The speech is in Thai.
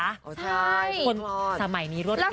ใช่ทุกคนสมัยนี้รวดเร็ว